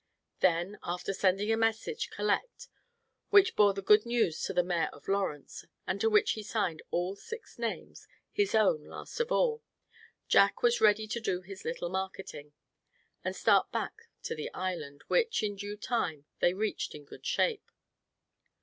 Then, after sending a message, "collect," which bore the good news to the mayor of Lawrence, and to which he signed all six names, his own last of all, Jack was ready to do his little marketing, and start back to the island; which, in due time, they reached in good shape.